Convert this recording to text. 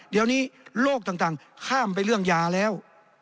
เดี๋ยวนี้โรคต่างข้ามไปเรื่องยาแล้ว